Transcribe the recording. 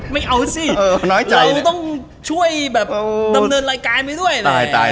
ไม่เอาสิเราต้องช่วยแบบดำเนินรายการไปด้วยนะ